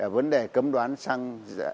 vấn đề cấm đoán sang